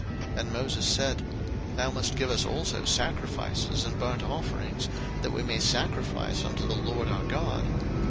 02:010:025 And Moses said, Thou must give us also sacrifices and burnt offerings, that we may sacrifice unto the LORD our God.